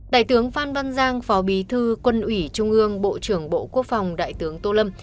đại tướng phan văn giang phó bí thư quân ủy trung ương bộ trưởng bộ quốc phòng đại tướng tô lâm